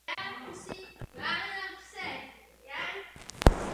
Zemřel na infekci ze zranění z Varšavského povstání.